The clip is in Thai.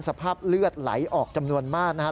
สภาพเลือดไหลออกจำนวนมากนะครับ